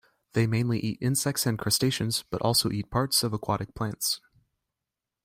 They mainly eat insects and crustaceans, but also eat parts of aquatic plants.